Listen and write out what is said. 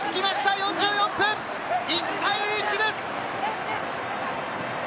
４４分、１対１です！